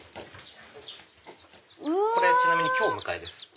これちなみに今日迎えです